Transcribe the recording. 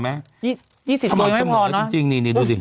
๒๐ตัวยังไม่ร้อนนะจริงนี่ดูดิ